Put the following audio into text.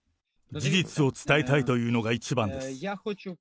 事実を伝えたいというのが一番です。